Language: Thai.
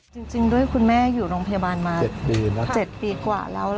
จริงด้วยคุณแม่อยู่โรงพยาบาลมา๗ปีกว่าแล้ว